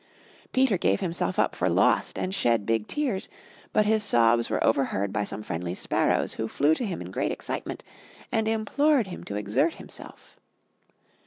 Peter gave himself up for lost and shed big tears; But his sobs were overheard by some friendly sparrows Who flew to him in great excitement and implored him to exert himself.